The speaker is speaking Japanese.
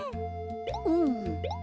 うん。